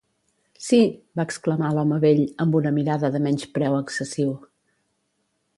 "Si!", va exclamar l'home vell, amb una mirada de menyspreu excessiu.